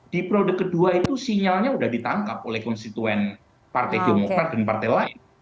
di periode kedua itu sinyalnya sudah ditangkap oleh konstituen partai demokrat dan partai lain